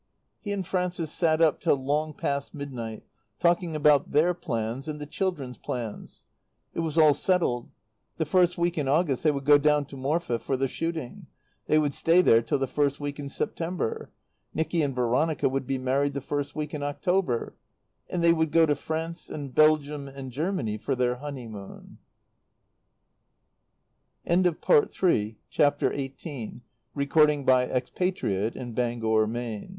He and Frances sat up till long past midnight, talking about their plans, and the children's plans. It was all settled. The first week in August they would go down to Morfe for the shooting. They would stay there till the first week in September. Nicky and Veronica would be married the first week in October. And they would go to France and Belgium and Germany for their honeymoon. XIX They did not go down to Morfe the first week in August for the shooting.